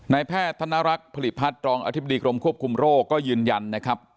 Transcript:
แพทย์ธนรักษ์ผลิตพัฒน์รองอธิบดีกรมควบคุมโรคก็ยืนยันนะครับ